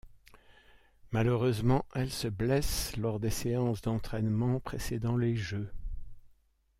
Malheureusement, elle se blesse lors des séances d'entraînements précédant les jeux.